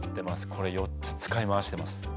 これ４つ使い回してます。